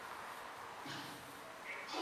Bere anaia Gorka ere txirrindularia da.